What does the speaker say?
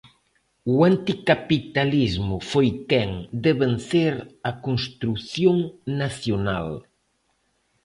O anticapitalismo foi quen de vencer a construción nacional.